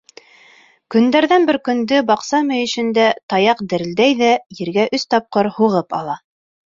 Көндәрҙән бер көндө баҡса мөйөшөндә таяҡ дерелдәй ҙә ергә өс тапҡыр һуғып ала.